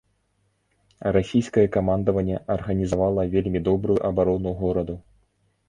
Расійскае камандаванне арганізавала вельмі добрую абарону гораду.